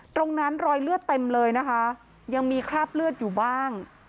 รอยเลือดเต็มเลยนะคะยังมีคราบเลือดอยู่บ้าง